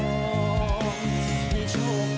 มันมีเสือนทอง